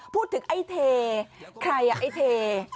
พูดถึงไอ้เทใครอ่ะไอ้เท